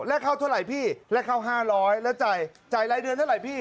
เข้าเท่าไหร่พี่แรกเข้า๕๐๐แล้วจ่ายรายเดือนเท่าไหร่พี่